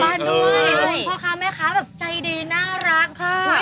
ขอบคุณพ่อค่ะแม่ค้าแบบใจดีน่ารักค่ะ